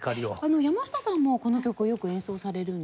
山下さんもこの曲をよく演奏されるんですか？